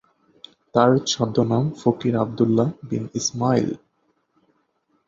তার ছদ্মনাম ফকির আবদুল্লাহ বিন ইসমাইল।